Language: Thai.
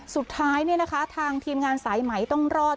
สุดท้ายทางทีมงานสายไหมต้องรอด